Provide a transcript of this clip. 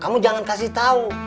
kamu jangan kasih tahu